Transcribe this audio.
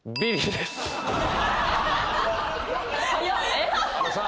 えっ？